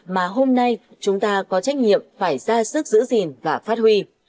mà hôm nay chúng ta có trách nhiệm phải ra sức giữ gìn và phát huy